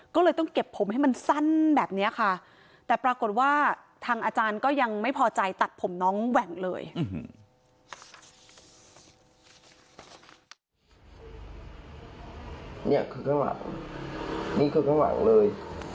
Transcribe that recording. ก็เลยต้องเก็บผมให้มันสั้นแบบนี้ค่ะแต่ปรากฏว่าทางอาจารย์ก็ยังไม่พอใจตัดผมน้องแหว่งเลย